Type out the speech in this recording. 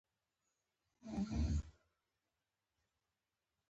شاګردانو د ګمراه کولو سبب شي.